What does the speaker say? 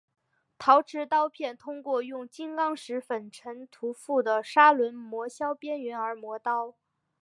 陶瓷刀片通过用金刚石粉尘涂覆的砂轮磨削边缘而磨刀。